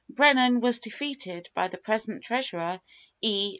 Brennan was defeated by the present Treasurer, E.